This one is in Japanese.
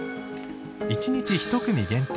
１日１組限定